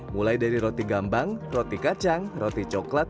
mulai dari roti gambang roti kacang roti coklat